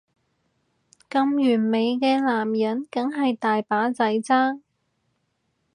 咁完美嘅男人梗係大把仔爭